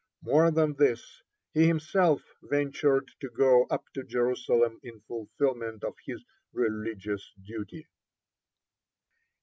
More than this, he himself ventured to go up to Jerusalem in fulfilment of his religious duty.